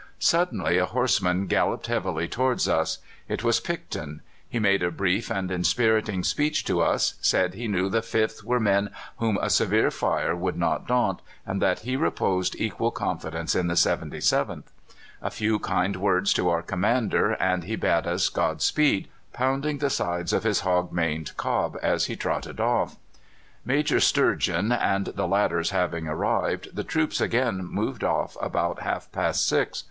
"Suddenly a horseman galloped heavily towards us. It was Picton. He made a brief and inspiriting speech to us said he knew the 5th were men whom a severe fire would not daunt, and that he reposed equal confidence in the 77th. A few kind words to our commander and he bade us God speed, pounding the sides of his hog maned cob as he trotted off." Major Sturgeon and the ladders having arrived, the troops again moved off about half past six.